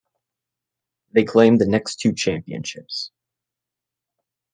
They claimed the next two championships.